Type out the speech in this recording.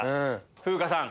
風花さん